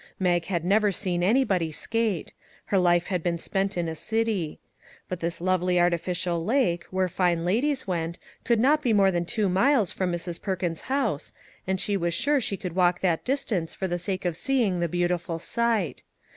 Mag had never seen anybody skate; her life had been spent in a city. But this lovely artificial lake, where fine ladies went, could not be more than two miles from Mrs. Perkins's house, and she was sure she could walk that distance for 27 MAG AND MARGARET the sake of seeing the beautiful sight.